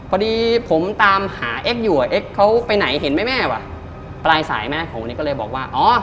พอดีผมตามหาเอกอยู่อะเอกเขาไปไหนไปเห็นมั้ยแม่วะปลายสายแม่ของมันเอกก็เลยบอกว่า